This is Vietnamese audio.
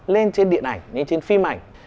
lên trên điện ảnh lên trên phim ảnh